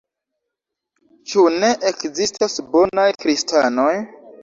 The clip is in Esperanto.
Ĉu ne ekzistas bonaj kristanoj?